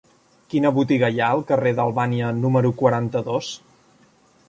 Quina botiga hi ha al carrer d'Albània número quaranta-dos?